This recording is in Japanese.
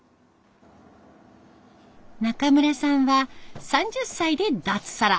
中村さんは３０歳で脱サラ。